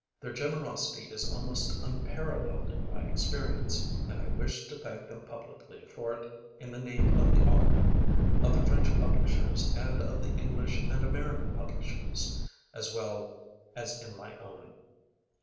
Their generosity is almost unparalleled in my experience; and I wish to thank them publicly for it in the name of the author, of the French publishers and of the English and American publishers, as well as in my own.